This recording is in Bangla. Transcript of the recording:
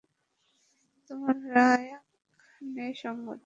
তোমার রাগ ন্যায়সঙ্গত।